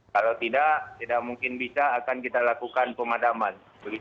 kalau tidak tidak mungkin bisa akan kita lakukan pemadaman